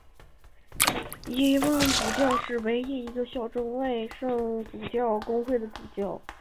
伊望主教是远东地区唯一继续效忠国外圣主教公会的主教。